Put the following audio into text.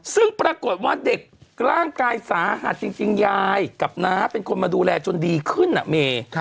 ซึ่งปรากฏว่าเด็กร่างกายสาหัสจริงยายกับน้าเป็นคนมาดูแลจนดีขึ้นอ่ะเม